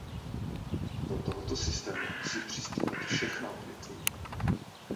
Do tohoto systému musí přispívat všechna odvětví.